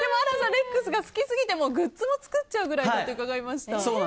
レックスが好きすぎてグッズも作っちゃうくらいだと伺いました。